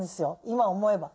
今思えば。